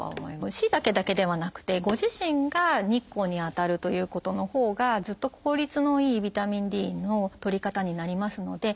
しいたけだけではなくてご自身が日光に当たるということのほうがずっと効率のいいビタミンＤのとり方になりますので。